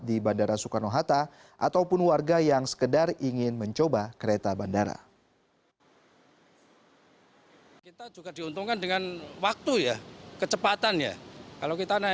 di bandara soekarno hatta ataupun warga yang sekedar ingin mencoba kereta bandara